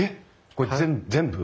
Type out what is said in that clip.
これぜ全部？